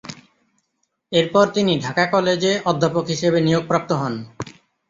এরপর তিনি ঢাকা কলেজে অধ্যাপক হিসেবে নিয়োগপ্রাপ্ত হন।